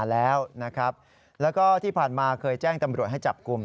แล้วก็ที่ผ่านมาเคยแจ้งตำรวจให้จับกลุ่ม